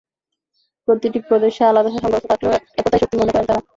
প্রতিটি প্রদেশে আলাদা শাসন ব্যবস্থা থাকলেও একতাই শক্তি মনে করেন তারা।